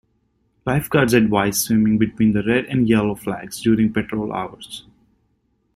Lifeguards advise swimming between the red and yellow flags, during patrol hours.